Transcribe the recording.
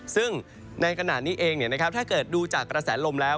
ซึ่งในขณะนี้เองถ้าเกิดดูจากกระแสลมแล้ว